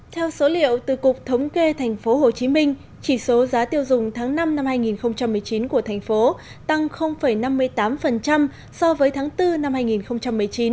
theo số liệu từ cục thống kê tp hcm chỉ số giá tiêu dùng tháng năm năm hai nghìn một mươi chín của thành phố tăng năm mươi tám so với tháng bốn năm hai nghìn một mươi chín